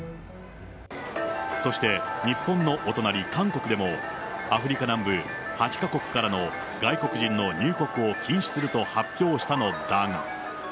そして、日本のお隣、韓国でも、アフリカ南部８か国からの外国人の入国を禁止すると発表したのだが。